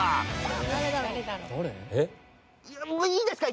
もういいですか？